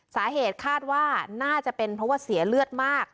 สาเหตุคาดว่าน่าจะเป็นเพราะว่าเสียเลือดมาก